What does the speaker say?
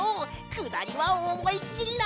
くだりはおもいっきりな！